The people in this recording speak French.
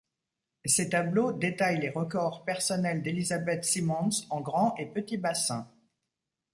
Ces tableaux détaillent les records personnels d'Elizabeth Simmonds en grand et petit bassin.